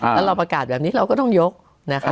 แล้วเราประกาศแบบนี้เราก็ต้องยกนะคะ